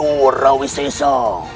kebenakanku tercinta raden suriwisesa